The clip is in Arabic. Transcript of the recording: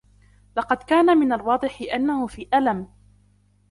لقد كان من الواضح أنهُ في ألم.